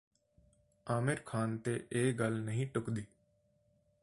ਆਮਿਰ ਖਾਨ ਤੇ ਇਹ ਗੱਲ ਨਹੀਂ ਢੁੱਕਦੀ